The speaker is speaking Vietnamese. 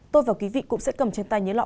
tôi và quý vị cũng sẽ cầm trên tay nhớ lọ